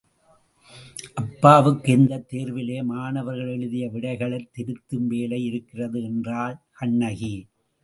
அப்பாவுக்கு இந்தத் தேர்விலே மாணவர்கள் எழுதிய விடைகளைத் திருத்தும் வேலை இருக்கிறது என்றாள் கண்ணகி.